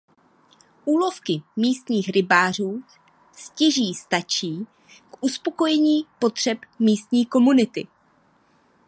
Úlovky místních rybářů stěží stačí k uspokojení potřeb místní komunity.